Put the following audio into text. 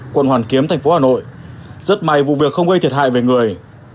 quận hoàn kiếm thành phố hà nội rất may vụ việc không gây thiệt hại về người